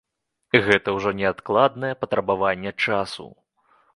І гэта ўжо неадкладнае патрабаванне часу.